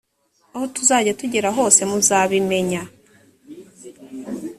aho tuzajya tugera hose muzabimenya.